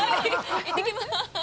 行ってきます。